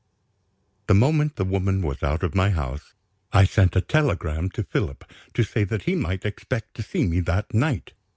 The moment the woman was out of my house, I sent a telegram to Philip to say that he might expect to see me that night.